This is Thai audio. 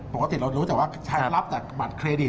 ปกติเรารู้แต่ว่าใช้รับจากบัตรเครดิต